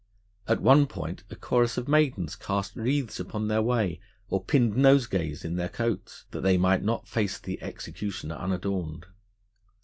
At one point a chorus of maidens cast wreaths upon their way, or pinned nosegays in their coats, that they might not face the executioner unadorned.